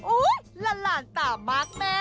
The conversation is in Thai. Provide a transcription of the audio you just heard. อุ๊ยละล่านตามากแม่